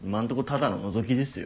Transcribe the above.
ただの覗きですよ。